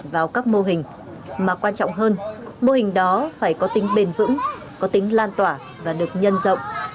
vào các mô hình mà quan trọng hơn mô hình đó phải có tính bền vững có tính lan tỏa và được nhân rộng